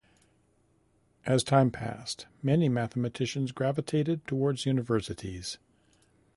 As time passed, many mathematicians gravitated towards universities.